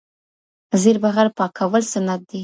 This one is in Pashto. زیر بغل پاکول سنت دي.